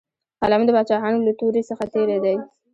قلم د باچاهانو له تورې څخه تېره دی.